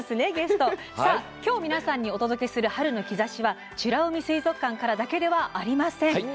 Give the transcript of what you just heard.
きょう皆さんにお届けする「春の兆し」は美ら海水族館からだけではありません。